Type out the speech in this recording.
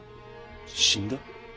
死んだ？